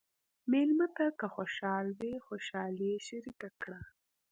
مېلمه ته که خوشحال وي، خوشالي یې شریکه کړه.